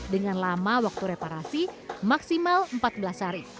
dengan lama waktu reparasi maksimal empat belas hari